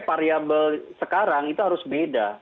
variable sekarang itu harus beda